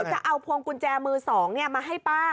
จะเอาพวงกุญแจมือ๒มาให้ป้า